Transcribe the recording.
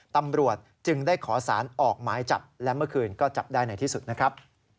ตำรวจจึงได้ขอสารออกหมายจับและเมื่อคืนก็จับได้ในที่สุดนะครับ